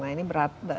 nah ini berat